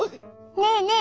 ねえねえ